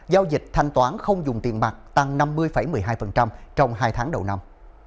giao dịch thanh toán không dùng tiền mặt tăng năm mươi một mươi hai trong hai tháng đầu năm